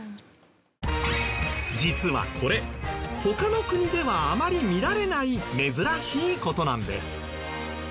実はこれ他の国ではあまり見られない珍しい事なんです。